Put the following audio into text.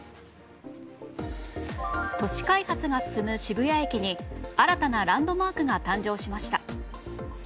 都市開発が進む渋谷駅に新たなランドマークが誕生しました。